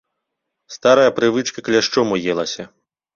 Старая прывычка кляшчом уелася.